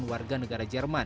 dan warga negara jalanan